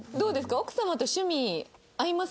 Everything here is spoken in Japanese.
奥様と趣味合います？